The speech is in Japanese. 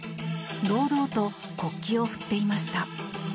堂々と国旗を振っていました。